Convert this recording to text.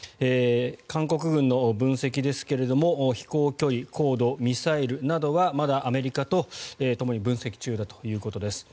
韓国軍の分析ですが飛行距離、高度、ミサイルなどはまだアメリカとともに分析中だということです。